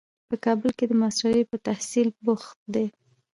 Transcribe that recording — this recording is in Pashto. په کابل کې د ماسټرۍ په تحصیل بوخت دی.